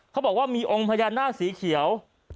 เขาบอกว่ามีองค์พญานาคสีเขียว